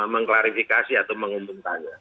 mengklarifikasi atau mengumpulkan